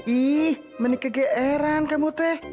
ih menikah geeran kamu teh